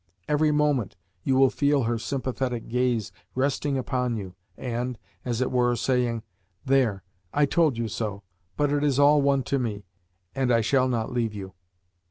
Every moment you will feel her sympathetic gaze resting upon you and, as it were, saying: "There! I told you so, but it is all one to me, and I shall not leave you."